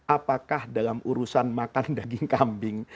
apakah dalam urusan makan daging kambing